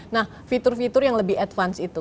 nah fitur fitur yang lebih advance itu